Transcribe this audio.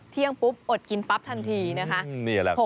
เที่ยงปุ๊บอดกินปั๊บทันทีนะคะ